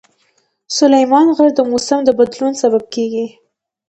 سلیمان غر د موسم د بدلون سبب کېږي.